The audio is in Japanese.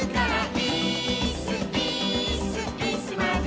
「イースイースイスまでも」